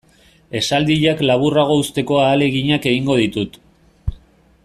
Esaldiak laburrago uzteko ahaleginak egingo ditut.